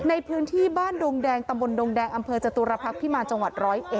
ในพื้นที่บ้านดงแดงตำบลดงแดงอำเภอจตุรพักษ์พิมารจังหวัด๑๐๑